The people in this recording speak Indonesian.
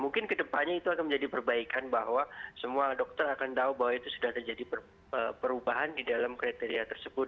mungkin kedepannya itu akan menjadi perbaikan bahwa semua dokter akan tahu bahwa itu sudah terjadi perubahan di dalam kriteria tersebut